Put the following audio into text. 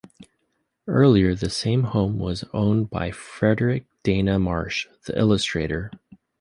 Earlier, the same home was owned by Frederic Dana Marsh, the illustrator.